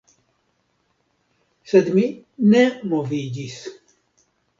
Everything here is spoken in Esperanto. Sed mi ne moviĝis.